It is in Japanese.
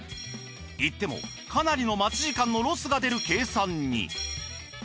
行ってもかなりの待ち時間のロスが出る計算に。